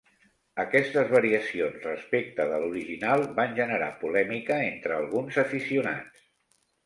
Aquestes variacions respecte de l'original van generar polèmica entre alguns aficionats.